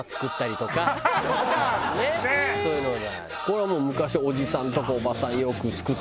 これはもう昔おじさんとかおばさんよく作ってたのよ。